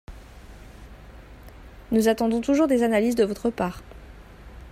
Nous attendons toujours des analyses de votre part.